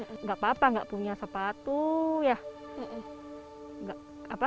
enggak apa apa enggak punya sepatu ya